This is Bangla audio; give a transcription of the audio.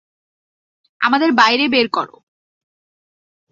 আমাদের বাইরে বের কর!